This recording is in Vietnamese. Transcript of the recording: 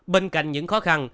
bên cạnh những khó khăn